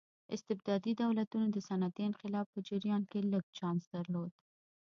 استبدادي دولتونو د صنعتي انقلاب په جریان کې لږ چانس درلود.